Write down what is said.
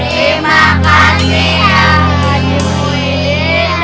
terima kasih yang haji buwile